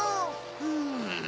うん。